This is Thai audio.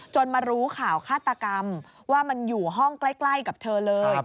มารู้ข่าวฆาตกรรมว่ามันอยู่ห้องใกล้กับเธอเลย